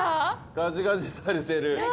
ガジガジされてる。